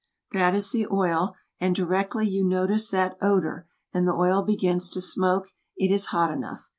That is the oil, and directly you notice that odor, and the oil begins to smoke, it is hot enough.